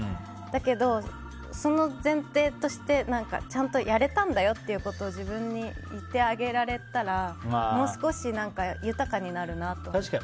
だけど、その前提としてちゃんとやれたんだよっていうことを自分に言ってあげられたらもう少し豊かになるなと思って。